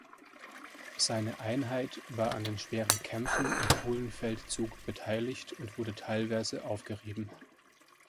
Seine Einheit war an den schweren Kämpfen im Polenfeldzug beteiligt und wurde teilweise aufgerieben.